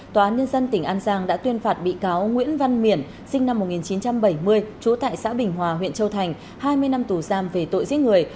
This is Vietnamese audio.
tòa án nhân dân tỉnh an giang đã tuyên phạt bị cáo nguyễn văn miển sinh năm một nghìn chín trăm bảy mươi trú tại xã bình hòa huyện châu thành hai mươi năm tù giam về tội giết người